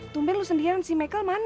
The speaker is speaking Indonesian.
tumben lu sendirian si michael mana